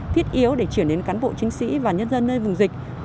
thiết yếu để chuyển đến cán bộ chiến sĩ và nhân dân nơi vùng dịch